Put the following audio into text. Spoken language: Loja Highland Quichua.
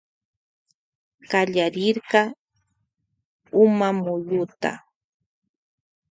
Kallarirka umamuyuta.